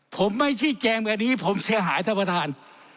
ผมไม่ชี้แจงแบบนี้ผมเสียหายท่านประธาน